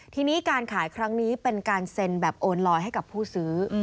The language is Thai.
ทีนี้การขายครั้งนี้เป็นการเซ็นแบบโอนลอยให้กับผู้ซื้อ